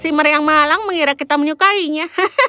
seamer yang malang mengira kita menyukainya